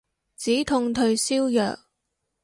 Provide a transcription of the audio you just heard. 止痛退燒藥